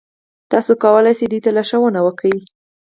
تاسې کولای شئ چې دوی ته لارښوونه وکړئ.